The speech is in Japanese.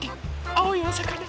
あおいおさかな。